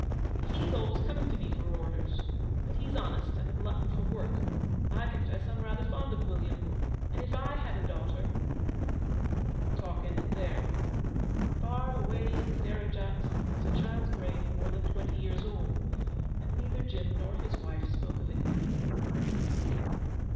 He's always coming to me for orders; but he's honest, and a glutton for work. I confess I'm rather fond of William, and if I had a daughter ' The talk ended there. Far away in the Derajat was a child's grave more than twenty years old, and neither Jim nor his wife spoke of it any more.